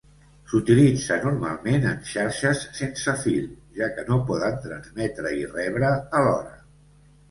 S'utilitza normalment en xarxes sense fil, ja que no poden transmetre i rebre alhora.